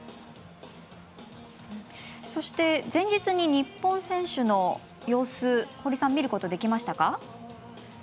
そして、前日に日本選手の様子堀さん、見ることできましたか？